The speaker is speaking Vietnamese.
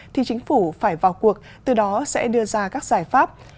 thì chính phủ phải vào cuộc từ đó sẽ đưa ra các giải pháp